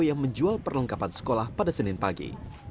yang menjual perlengkapan sekolah pada senin pagi